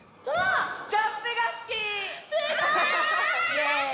イエーイ！